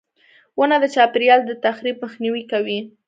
• ونه د چاپېریال د تخریب مخنیوی کوي.